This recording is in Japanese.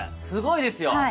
すごいですよ。